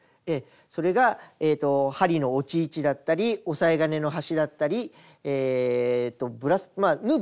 それが針の落ち位置だったり押さえ金の端だったり縫う場所によってね